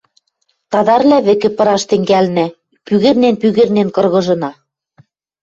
Тадарвлӓ вӹкӹ пыраш тӹнгӓлнӓ, пӱгӹрнен-пӱгӹрнен кыргыжына.